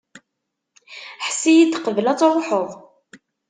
Hess-iyi-d qbel ad truḥeḍ.